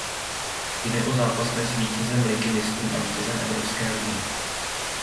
Jde o zápas mezi vítězem Ligy mistrů a vítězem Evropské ligy.